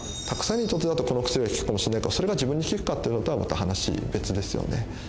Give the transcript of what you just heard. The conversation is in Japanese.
たくさんにとってだとこの薬が効くかもしれないけどそれが自分に効くかっていうのとはまた話別ですよね。